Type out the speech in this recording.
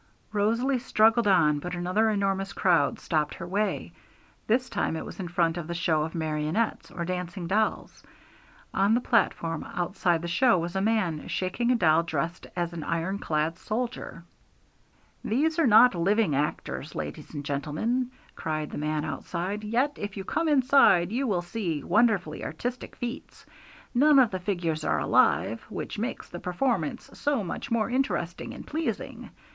Rosalie struggled on, but another enormous crowd stopped her way. This time it was in front of the show of marionettes, or dancing dolls. On the platform outside the show was a man, shaking a doll dressed as an iron clad soldier. 'These are not living actors, ladies and gentlemen,' cried the man outside; 'yet if you come inside you will see wonderfully artistic feats! None of the figures are alive, which makes the performance so much more interesting and pleasing.